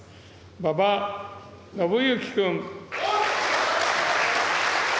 馬場伸幸君。